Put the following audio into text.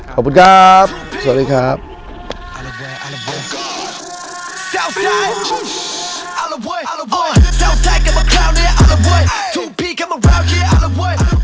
ขอบคุณต้องมานะครับขอบคุณครับสวัสดีครับ